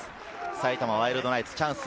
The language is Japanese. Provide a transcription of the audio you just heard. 埼玉ワイルドナイツ、チャンス。